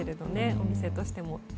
お店としても。